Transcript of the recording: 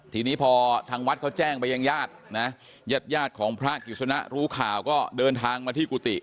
ทีนี้พอทางวัดเขาแจ้งไปยังญาตินะญาติยาดของพระกิจสนะรู้ข่าวก็เดินทางมาที่กุฏิ